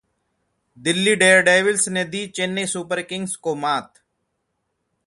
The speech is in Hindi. दिल्ली डेयरडेविल्स ने दी चेन्नई सुपरकिंग्स को मात